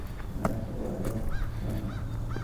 এখানে আসার পরেই, তবে নিশ্চিত ছিলাম না।